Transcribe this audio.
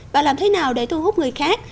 bạn làm thế nào để thu hút người khác